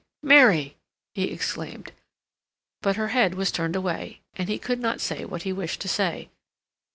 "Mary—!" he exclaimed. But her head was turned away, and he could not say what he wished to say.